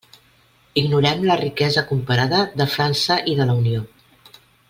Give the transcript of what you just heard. Ignorem la riquesa comparada de França i de la Unió.